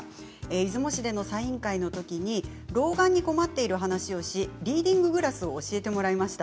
出雲市でのサイン会のときに老眼に困っている話をしてリーディンググラスを教えてもらいました。